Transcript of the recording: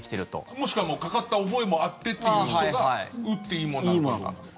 もしくはかかった覚えもあってっていう人が打っていいものなのかどうなのか。